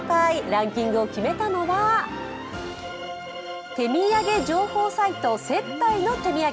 ランキングを決めたのは、手土産情報サイト・接待の手土産。